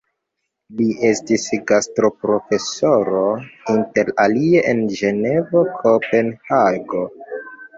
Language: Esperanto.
Li estis gastoprofesoro inter alie en Ĝenevo, Kopenhago.